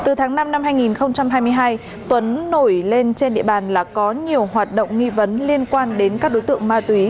từ tháng năm năm hai nghìn hai mươi hai tuấn nổi lên trên địa bàn là có nhiều hoạt động nghi vấn liên quan đến các đối tượng ma túy